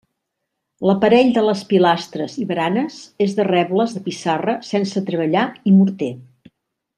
L'aparell de les pilastres i baranes és de rebles de pissarra sense treballar i morter.